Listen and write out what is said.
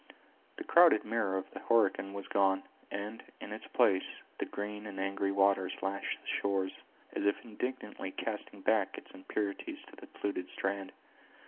The crowded mirror of the Horican was gone; and, in its place, the green and angry waters lashed the shores, as if indignantly casting back its impurities to the polluted strand.